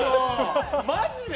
マジで？